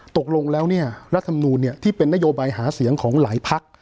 ตกลงแล้วเนี่ยรัฐมนุนเนี่ยที่เป็นนโยบายหาเสียงของหลายภักดิ์